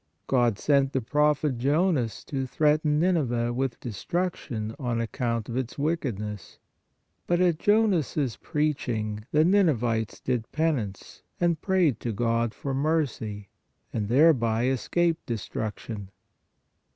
God sent the prophet Jonas to threaten Nineve with destruction on account of its wickedness. But at Jonas preaching the Ninevites did penance and prayed God for mercy, and thereby escaped destruc tion.